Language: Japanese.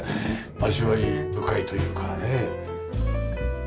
味わい深いというかね。